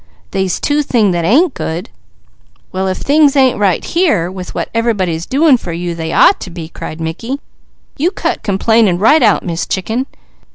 "They's two things that ain't good." "Well if things ain't right here, with what everybody's doing for you, they ought to be!" cried Mickey. "You cut complaining right out, Miss Chicken!"